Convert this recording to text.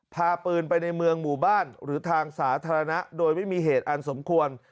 พาปืนไปในเมืองหมู่บ้านหรือทางสาธารณะโดยไม่มีเหตุอันสมควร